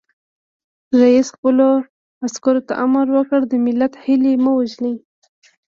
رئیس جمهور خپلو عسکرو ته امر وکړ؛ د ملت هیلې مه وژنئ!